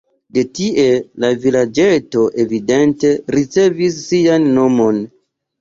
De tie la vilaĝeto evidente ricevis sian nomon.